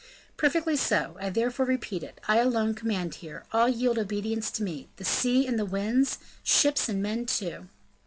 "Perfectly so; I therefore repeat it: I alone command here, all yield obedience to me; the sea and the winds, the ships and men too."